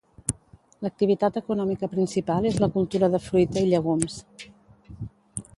L'activitat econòmica principal és la cultura de fruita i llegums.